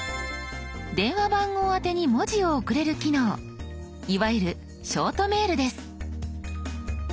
電話番号宛てに文字を送れる機能いわゆるショートメールです。